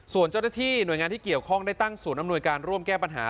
ส่วนเจ้าหน้าที่หน่วยงานที่เกี่ยวข้องได้ตั้งศูนย์อำนวยการร่วมแก้ปัญหา